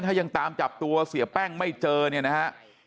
ถ้ายังตามจับตัวเสียแป้งไม่เจอเนี่ยนะฮะ